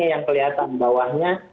yang kelihatan bawahnya